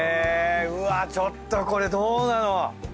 うわちょっとこれどうなの！